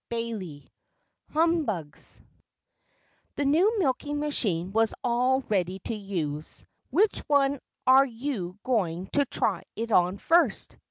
XXIV HUMBUGS The new milking machine was all ready to use. "Which one are you going to try it on first?"